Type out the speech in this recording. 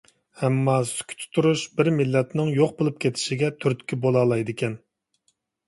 ئەمما، سۈكۈتتە تۇرۇش بىر مىللەتنىڭ يوق بولۇپ كېتىشىگە تۈرتكە بولالايدىكەن.